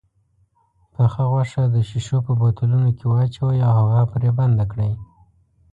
پخه غوښه د شيشو په بوتلو کې واچوئ او هوا پرې بنده کړئ.